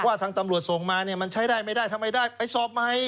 ทางตำรวจส่งมาเนี่ยมันใช้ได้ไม่ได้ทำไมได้ไปสอบใหม่